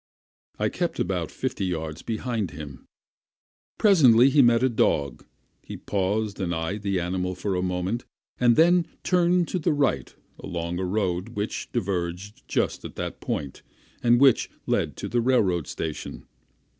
I kept about fifty yards behind him. Presently he met a dog; he paused and eyed the animal for a moment, and then turned to the right along a road which diverged just at that point, and which led to the railroad station.